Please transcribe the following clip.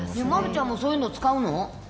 丸ちゃんもそういうの使うの？